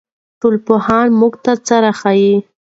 ټولنپوهنه موږ ته څه راښيي؟